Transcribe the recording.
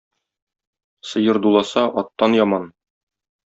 Сыер дуласа аттан яман.